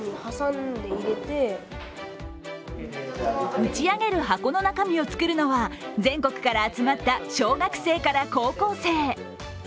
打ち上げる箱の中身を作るのは全国から集まった小学生から高校生。